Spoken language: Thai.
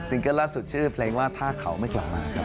ซิงเกิ้ลล่าสุดชื่อเพลงว่าท่าเขาไม่กล่อมา